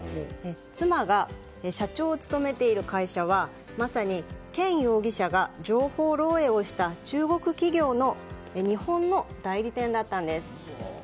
妻が社長を務めている会社はまさにケン容疑者が情報漏洩をした中国企業の日本の代理店だったんです。